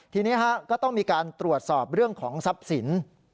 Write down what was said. ทีนี้ก็ต้องมีการตรวจสอบเรื่องของทรัพย์สิน